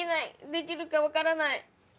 できるか分からない。